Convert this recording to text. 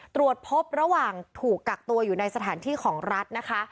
ตรวจพบระหว่างถูกกักตัวอยู่ในสถานที่ของรัฐนะคะ